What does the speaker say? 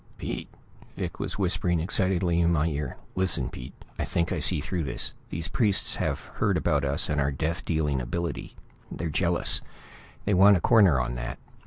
"Pete!" Vic was whispering excitedly in my ear. "Listen, Pete, I think I see through this. These priests have heard about us and our death dealing ability. They're jealous; they want a corner on that.